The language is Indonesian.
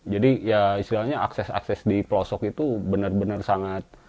jadi ya istilahnya akses akses di pelosok itu benar benar sangat